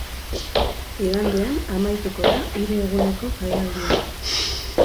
Igandean amaituko da hiru eguneko jaialdia.